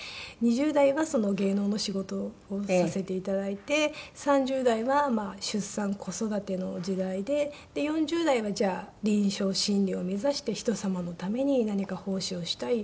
２０代は芸能の仕事をさせて頂いて３０代は出産子育ての時代で４０代はじゃあ臨床心理士を目指して人様のために何か奉仕をしたい。